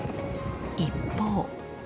一方。